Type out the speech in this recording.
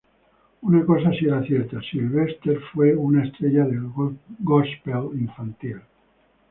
Una cosa sí era cierta: Sylvester fue una estrella del gospel infantil.